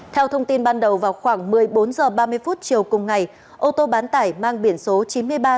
theo thông tin ban đầu vào khoảng một mươi bốn h ba mươi chiều cùng ngày ô tô bán tải mang biển số chín mươi ba c một mươi sáu nghìn ba trăm sáu mươi